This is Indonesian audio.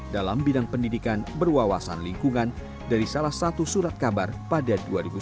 dalam bidang pendidikan berwawasan lingkungan dari salah satu surat kabar pada dua ribu sembilan belas